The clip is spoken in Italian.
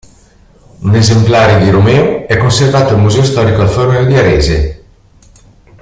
Un esemplare di Romeo è conservato al museo storico Alfa Romeo di Arese.